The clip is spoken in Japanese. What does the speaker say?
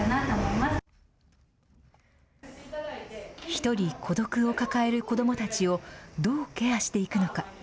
一人孤独を抱える子どもたちを、どうケアしていくのか。